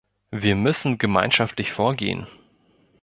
Wir müssen gemeinschaftlich vorgehen.